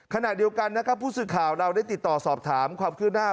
ขณะเดียวกันนะครับผู้สื่อข่าวเราได้ติดต่อสอบถามความคืบหน้า